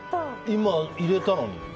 今、入れたのに。